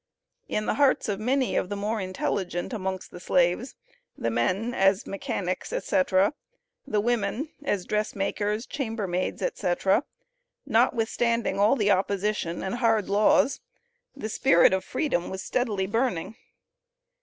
In the hearts of many of the more intelligent amongst the slaves, the men, as mechanics, etc., the women, as dress makers, chamber maids, etc., notwithstanding all the opposition and hard laws, the spirit of Freedom was steadily burning.